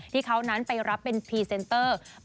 ที่เขานั้นไปรับเป็นพรีเซนเตอร์